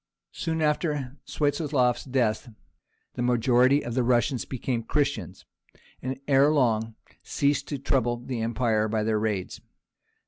Soon after Swiatoslaf's death the majority of the Russians became Christians, and ere long ceased to trouble the empire by their raids.